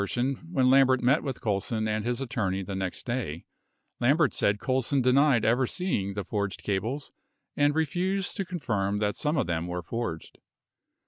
127 tion, when Lambert met with Colson and his attorney the next day, Lambert said Colson denied ever seeing the forged cables and refused to confirm that some of them were forged.